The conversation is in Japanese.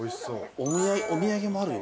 お土産もあるよ。